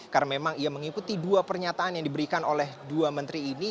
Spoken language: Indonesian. karena memang ia mengikuti dua pernyataan yang diberikan oleh dua menteri ini